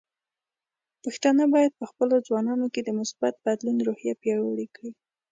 پښتانه بايد په خپلو ځوانانو کې د مثبت بدلون روحیه پیاوړې کړي.